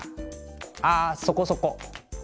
あそこそこ。